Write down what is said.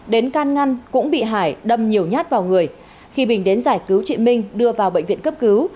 đến can ngăn cũng bị hải đâm nhiều nhát vào người khi bình đến giải cứu chị minh đưa vào bệnh viện cấp cứu